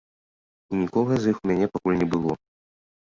І нікога з іх у мяне пакуль не было.